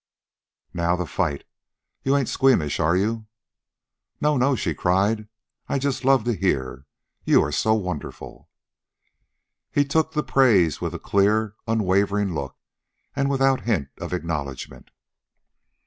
"Now, the fight. You ain't squeamish, are you?" "No, no," she cried. "I'd just love to hear you are so wonderful." He took the praise with a clear, unwavering look, and without hint of acknowledgment.